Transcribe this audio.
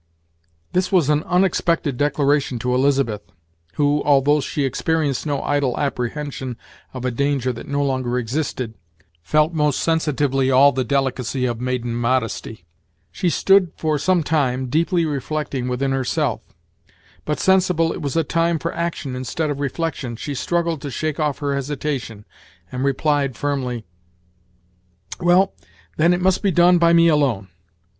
This was an unexpected declaration to Elizabeth, who, although she experienced no idle apprehension of a danger that no longer existed, felt most sensitively all the delicacy of maiden modesty. She stood for some time, deeply reflecting within herself; but, sensible it was a time for action instead of reflection, she struggled to shake off her hesitation, and replied, firmly: "Well, then it must be done by me alone.